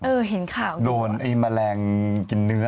เห็นข่าวโดนไอ้แมลงกินเนื้อ